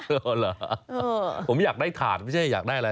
เหรอผมอยากได้ถาดไม่ใช่อยากได้อะไร